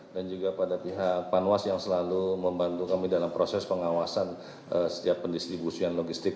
dan juga pada pihak panwas yang selalu membantu kami dalam proses pengawasan setiap pendistribusian logistik